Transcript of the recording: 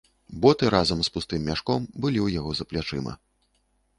Боты разам з пустым мяшком былі ў яго за плячыма.